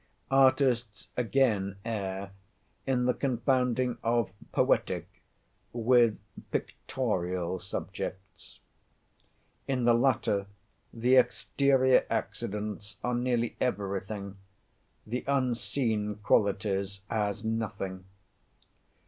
Artists again err in the confounding of poetic with pictorial subjects. In the latter, the exterior accidents are nearly everything, the unseen qualities as nothing.